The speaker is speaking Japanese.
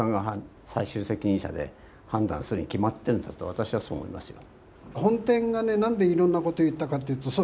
私はそう思いますよ。